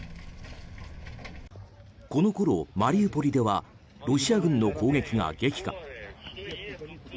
このころ、マリウポリではロシア軍の攻撃が激化。